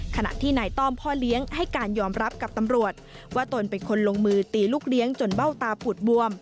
ขณะที่นายต้อมพ่อเลี้ยงให้การยอมรับกับตำรวจว่าตนเป็นคนลงมือตีลูกเลี้ยงจนเบ้าตาปูดบวม